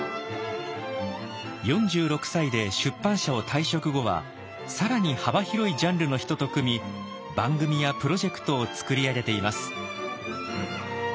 ４６歳で出版社を退職後は更に幅広いジャンルの人と組み番組やプロジェクトを作り上げています。